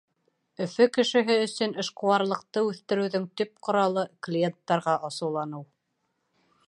Өфө кешеһе өсөн эшҡыуарлыҡты үҫтереүҙең төп ҡоралы -клиенттарға асыуланыу.